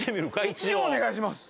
一応お願いします。